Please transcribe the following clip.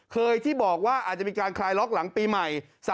ที่บอกว่าอาจจะมีการคลายล็อกหลังปีใหม่